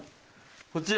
こちら。